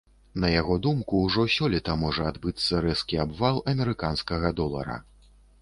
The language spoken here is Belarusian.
На яго думку, ужо сёлета можа адбыцца рэзкі абвал амерыканскага долара.